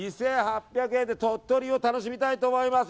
２８００円で鳥取を楽しみたいと思います。